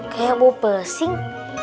kayak mau pesing